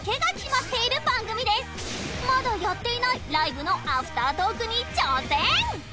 まだやっていないライブのアフタートークに挑戦！